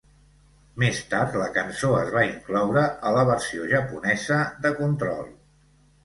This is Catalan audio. Més tard, la cançó es va incloure a la versió japonesa de Control.